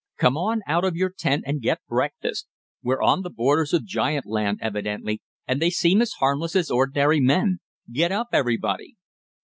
Come on out of your tent and get breakfast. We're on the borders of giant land, evidently, and they seem as harmless as ordinary men. Get up, everybody."